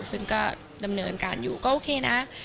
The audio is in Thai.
ซึ่งก็ดำเนินการอยู่ก็โอเคนะ